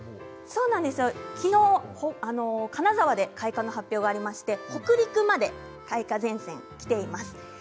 きのう金沢で開花の発表がありまして北陸まで開花前線きています。